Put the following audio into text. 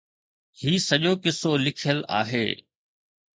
هي سڄو قصو لکيل آهي.